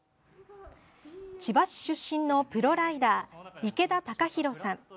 千葉市出身のプロライダー池田貴広さん。